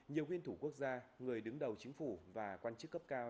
nhiều nguyên thủ quốc gia người đứng đầu chính phủ và quan chức cấp cao